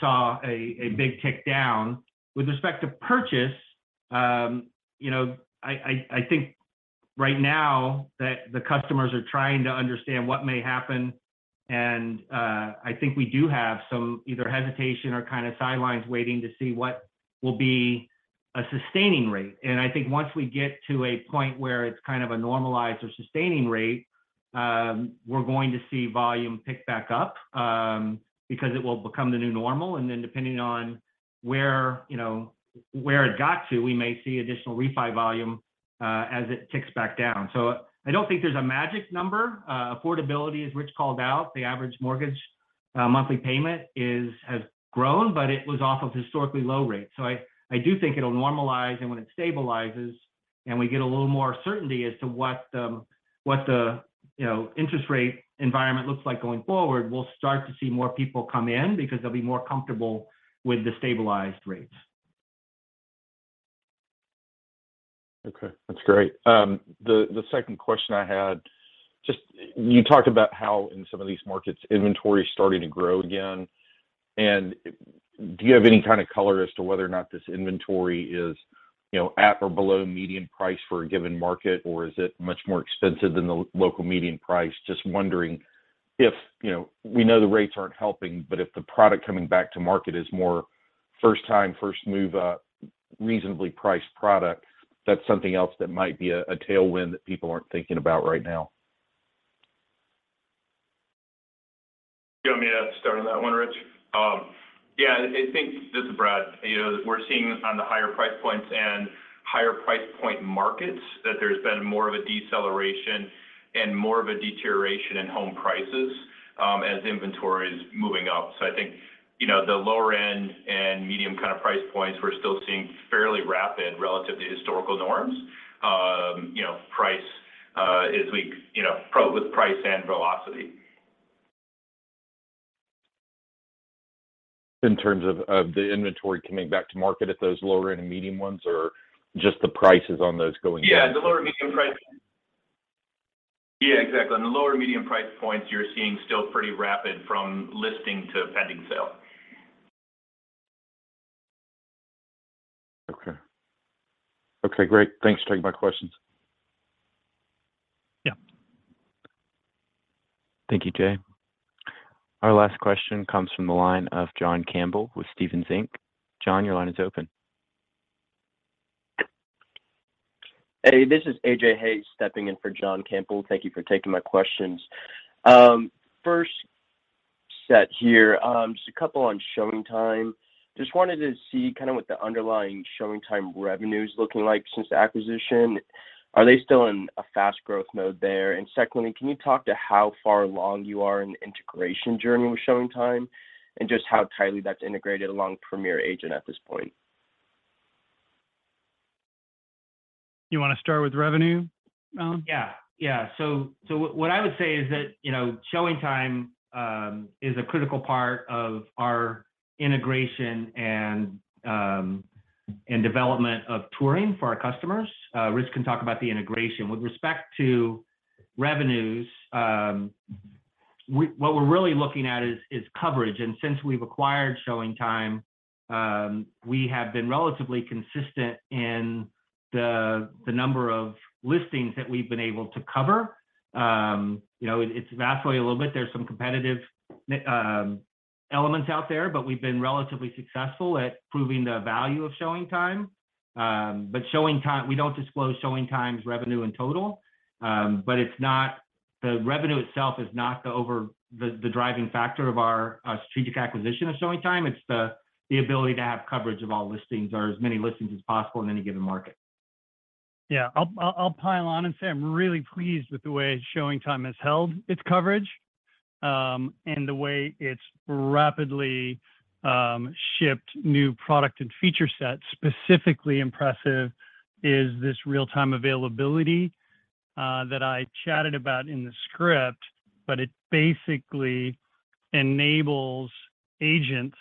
saw a big tick down. With respect to purchase, you know, I think right now that the customers are trying to understand what may happen, and I think we do have some either hesitation or kind of sidelines waiting to see what will be a sustaining rate. I think once we get to a point where it's kind of a normalized or sustaining rate, we're going to see volume pick back up, because it will become the new normal. Depending on where, you know, where it got to, we may see additional refi volume, as it ticks back down. I don't think there's a magic number. Affordability, as Rich called out, the average mortgage monthly payment has grown, but it was off of historically low rates. I do think it'll normalize, and when it stabilizes, and we get a little more certainty as to what the, you know, interest rate environment looks like going forward, we'll start to see more people come in because they'll be more comfortable with the stabilized rates. Okay. That's great. The second question I had, just you talked about how in some of these markets, inventory is starting to grow again. Do you have any kind of color as to whether or not this inventory is, you know, at or below median price for a given market, or is it much more expensive than the local median price? Just wondering if, you know, we know the rates aren't helping, but if the product coming back to market is more first time, first move up, reasonably priced product, that's something else that might be a tailwind that people aren't thinking about right now. You want me to start on that one, Rich? Yeah, I think, this is Brad. You know, we're seeing on the higher price points and higher price point markets that there's been more of a deceleration and more of a deterioration in home prices, as inventory is moving up. I think, you know, the lower end and medium kind of price points, we're still seeing fairly rapid relative to historical norms. You know, progress with price and velocity. In terms of the inventory coming back to market at those lower end and medium ones or just the prices on those going down? Yeah, exactly. On the lower medium price points, you're seeing still pretty rapid from listing to pending sale. Okay. Okay, great. Thanks for taking my questions. Yeah. Thank you, Jay. Our last question comes from the line of John Campbell with Stephens Inc John, your line is open. Hey, this is AJ Hayes stepping in for John Campbell. Thank you for taking my questions. First set here, just a couple on ShowingTime. Just wanted to see kind of what the underlying ShowingTime revenue is looking like since the acquisition. Are they still in a fast growth mode there? Secondly, can you talk to how far along you are in the integration journey with ShowingTime, and just how tightly that's integrated along Premier Agent at this point? You wanna start with revenue? What I would say is that, you know, ShowingTime is a critical part of our integration and development of touring for our customers. Rich can talk about the integration. With respect to revenues, what we're really looking at is coverage. Since we've acquired ShowingTime, we have been relatively consistent in the number of listings that we've been able to cover. You know, it's vastly a little bit. There's some competitive elements out there, but we've been relatively successful at proving the value of ShowingTime. ShowingTime, we don't disclose ShowingTime's revenue in total. The revenue itself is not the driving factor of our strategic acquisition of ShowingTime. It's the ability to have coverage of all listings or as many listings as possible in any given market. Yeah. I'll pile on and say I'm really pleased with the way ShowingTime has held its coverage, and the way it's rapidly shipped new product and feature sets. Specifically impressive is this real-time availability that I chatted about in the script, but it basically enables agents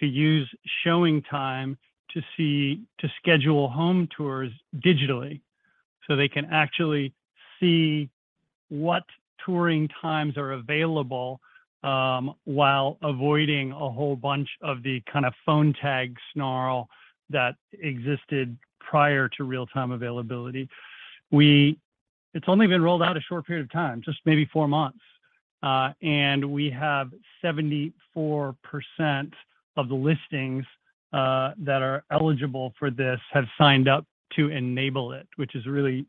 to use ShowingTime to see, to schedule home tours digitally. They can actually see what touring times are available, while avoiding a whole bunch of the kinda phone tag snarl that existed prior to real-time availability. It's only been rolled out a short period of time, just maybe four months. We have 74% of the listings that are eligible for this have signed up to enable it, which is really,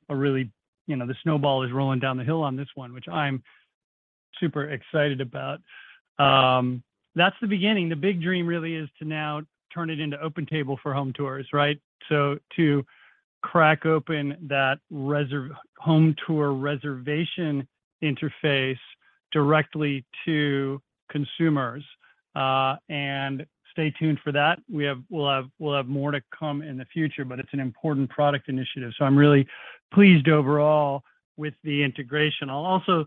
you know, the snowball is rolling down the hill on this one, which I'm super excited about. That's the beginning. The big dream really is to now turn it into OpenTable for home tours, right? To crack open that home tour reservation interface directly to consumers. Stay tuned for that. We'll have more to come in the future, but it's an important product initiative. I'm really pleased overall with the integration. I'll also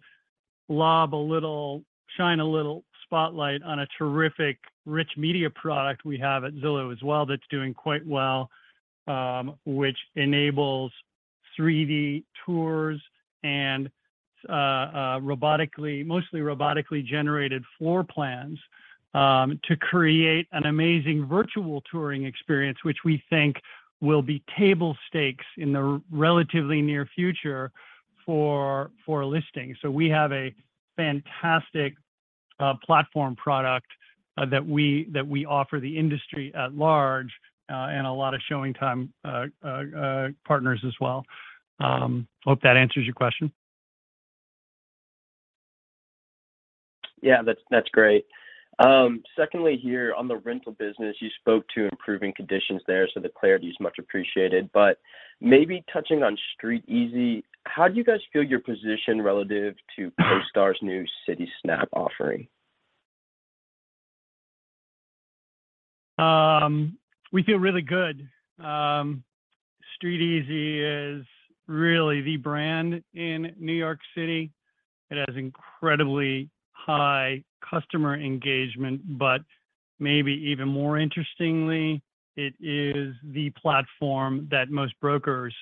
lob a little, shine a little spotlight on a terrific rich media product we have at Zillow as well that's doing quite well, which enables 3D tours and mostly robotically generated floor plans to create an amazing virtual touring experience, which we think will be table stakes in the relatively near future for listings. We have a fantastic platform product that we offer the industry at large and a lot of ShowingTime partners as well. Hope that answers your question. Yeah. That's great. Secondly here, on the rental business, you spoke to improving conditions there, so the clarity is much appreciated. Maybe touching on StreetEasy, how do you guys feel your position relative to CoStar's new Citysnap offering? We feel really good. StreetEasy is really the brand in New York City. It has incredibly high customer engagement, but maybe even more interestingly, it is the platform that most brokers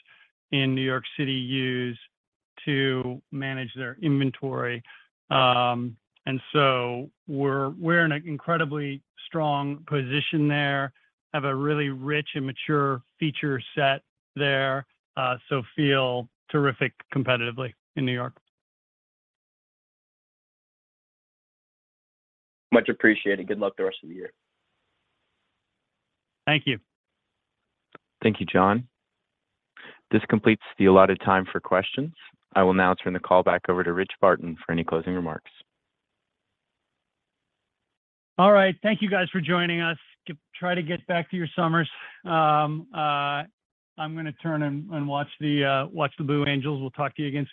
in New York City use to manage their inventory. We're in an incredibly strong position there, have a really rich and mature feature set there, so feel terrific competitively in New York. Much appreciated. Good luck the rest of the year. Thank you. Thank you, John. This completes the allotted time for questions. I will now turn the call back over to Rich Barton for any closing remarks. All right. Thank you guys for joining us. Try to get back to your summers. I'm gonna turn and watch the Blue Angels. We'll talk to you again soon.